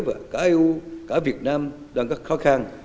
và cả eu cả việt nam đang có khó khăn